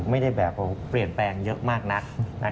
ไม่ได้แบบเปลี่ยนแปลงเยอะมากนัก